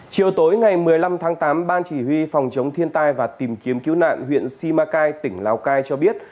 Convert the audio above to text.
chiều tối ngày một mươi năm tháng tám ban chỉ huy phòng chống thiên tai và tìm kiếm cứu nạn huyện simacai tỉnh lào cai cho biết